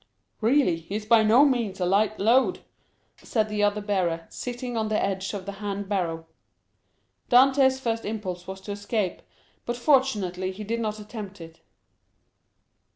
"Really, he is by no means a light load!" said the other bearer, sitting on the edge of the hand barrow. Dantès' first impulse was to escape, but fortunately he did not attempt it.